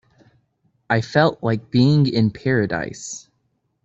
I felt like being in paradise.